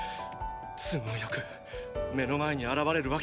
都合よく目の前にあらわれるわけがない！